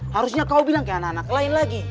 harusnya kau bilang ke anak anak lain lagi